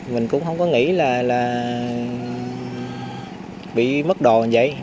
mình cũng không có nghĩ là bị mất đồ như vậy